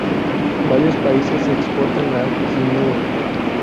Varios países exportan la quinua.